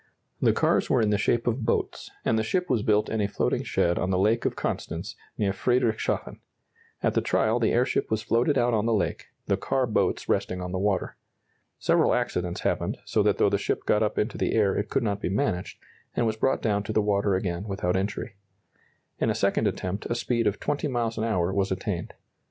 The cars were in the shape of boats, and the ship was built in a floating shed on the Lake of Constance near Friedrichshafen. At the trial the airship was floated out on the lake, the car boats resting on the water. Several accidents happened, so that though the ship got up into the air it could not be managed, and was brought down to the water again without injury. In a second attempt a speed of 20 miles an hour was attained.